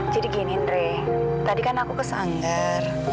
jadi gini andrei tadi kan aku ke sanggar